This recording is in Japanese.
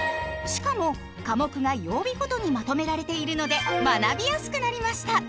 しかも科目が曜日ごとにまとめられているので学びやすくなりました！